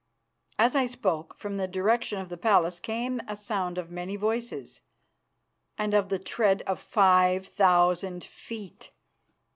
As I spoke, from the direction of the palace came a sound of many voices and of the tread of five thousand feet.